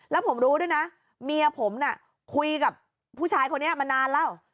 และข้อใจเป็นเมียผมนะคุยกับผู้ชายนี้มานานแล้ว